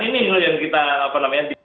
ini yang kita dipanyakan putih gitu